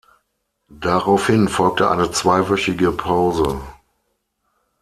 Daraufhin folgte eine zweiwöchige Pause.